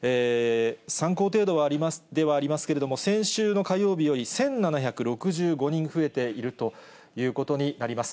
参考程度ではありますけれども、先週の火曜日より１７６５人増えているということになります。